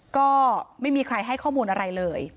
ก็ไม่มีใครให้ข้อมูลอะไรเลย